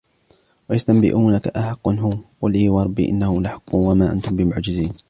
ويستنبئونك أحق هو قل إي وربي إنه لحق وما أنتم بمعجزين